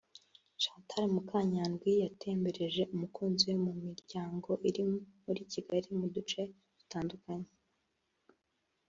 Chantal Mukanyandwi yatembereje umukunzi we mu miryango iri muri Kigali mu duce dutandukanye